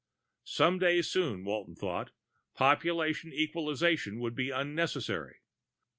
Some day soon, Walton thought, population equalization would be unnecessary.